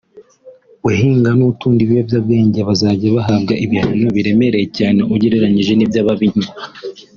uhinga n’utunda ibiyobyabwenge bazajya bahabwa ibihano biremereye cyane ugereranije n’iby’ababinywa”